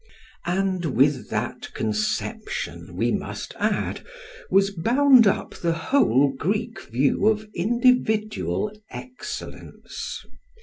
And with that conception, we must add, was bound up the whole Greek view of individual excellence.